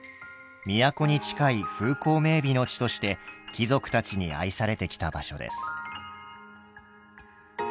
都に近い風光明美の地として貴族たちに愛されてきた場所です。